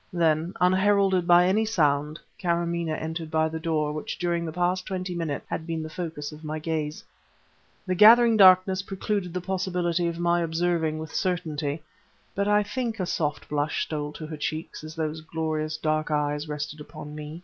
Then, unheralded by any sound, Kâramaneh entered by the door which during the past twenty minutes had been the focus of my gaze. The gathering darkness precluded the possibility of my observing with certainty, but I think a soft blush stole to her cheeks as those glorious dark eyes rested upon me.